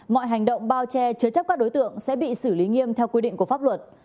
mọi hành động bao che chứa chấp các đối tượng sẽ bị xử lý nghiêm theo quy định của pháp luật